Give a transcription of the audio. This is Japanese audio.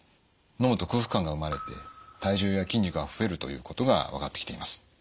のむと空腹感が生まれて体重や筋肉が増えるということが分かってきています。